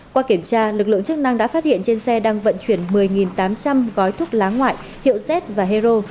qua kiểm tra lực lượng chức năng đã phát hiện trên xe đang vận chuyển một mươi tám trăm linh gói thuốc lá ngoại hiệu z và hero